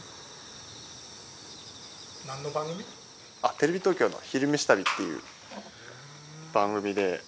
テレビ東京の「昼めし旅」っていう番組で。